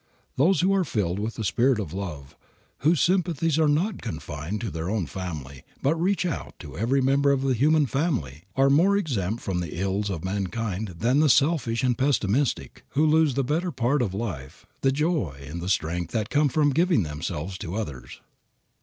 Those who are filled with the spirit of love, whose sympathies are not confined to their own family, but reach out to every member of the human family, are more exempt from the ills of mankind than the selfish and pessimistic, who lose the better part of life, the joy and the strength that come from giving themselves to others.